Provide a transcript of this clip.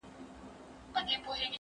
زه اوبه ورکړي دي!.